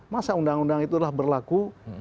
masa undang undang itu adalah berlaku